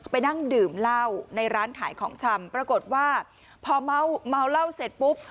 ไปนั่งดื่มเหล้าในร้านขายของชำปรากฏว่าพอเมาเหล้าเสร็จปุ๊บ